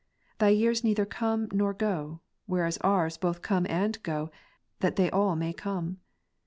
Thy years neither come nor go ; whereas ours both come and go, that they all may come.